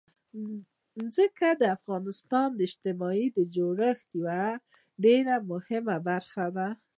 ځمکه د افغانستان د اجتماعي جوړښت یوه ډېره مهمه برخه ده.